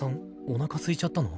おなかすいちゃったの？